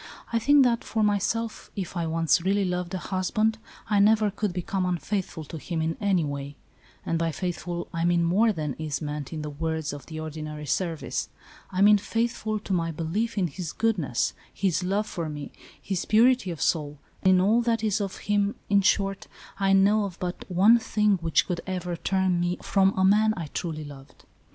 I think that, for myself, if I once really loved a husband, I never could become unfaithful to him in any way ; and, by faithful, I mean more than is meant in the words of the ordinary service. I mean faithful to my belief in his goodness, his love for me, his purity of soul, in all that is of him — in short, I know of but one thing which could ever turn me from a man I truly loved.